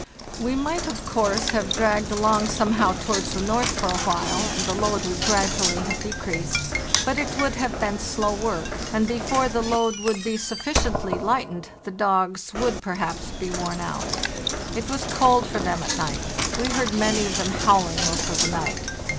"We might, of course, have dragged along somehow towards the north for a while, and the load would gradu ally have decreased; but it would have been slow work, and before the load would be sufficiently lightened the dogs would perhaps be worn out. It was cold for them at night; we heard many of them howling most of the night.